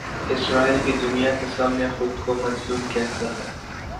اسرائیل بھی دنیا کے سامنے خو دکو مظلوم کہتا ہے۔